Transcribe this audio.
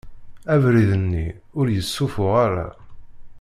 Abrid-nni ur yessufuɣ ara.